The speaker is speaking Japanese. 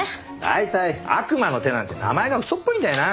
だいたい悪魔の手なんて名前が嘘っぽいんだよな。